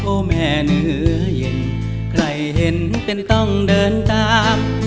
แม่เหนือเย็นใครเห็นเป็นต้องเดินตาม